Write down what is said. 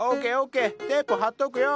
テープ貼っとくよ！